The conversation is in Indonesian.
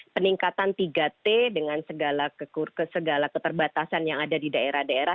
peningkatan tiga t dengan segala keterbatasan yang ada di daerah daerah